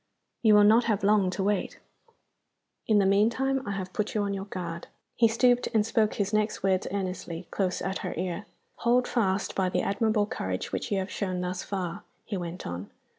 "You will not have long to wait. In the meantime I have put you on your guard." He stooped, and spoke his next words earnestly, close at her ear. "Hold fast by the admirable courage which you have shown thus far," he went on.